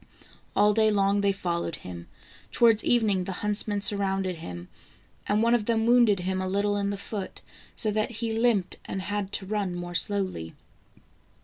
All day long they fol lowed him. Towards evening the huntsmen surrounded him, and one of them wounded him a little in the foot, so that he limped and had to run more slowly.